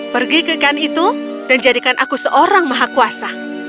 pergi ke gan itu dan jadikan aku seorang maha kuasa